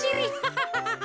ハハハハ！